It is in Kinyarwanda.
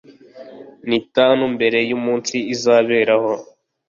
N itanu mbere y umunsi izaberaho